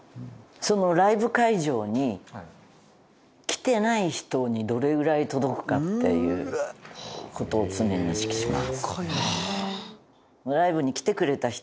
そのライブ会場に来てない人にどれぐらい届くかっていう事を常に意識します。